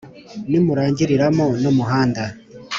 rimurangiriramo n’umuhunda